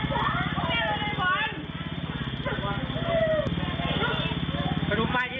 สวัสดีสวัสดี